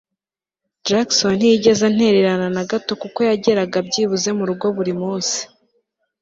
Jackson ntiyigeze antererana nagato kuko yageraga byibuze murugo buri munsi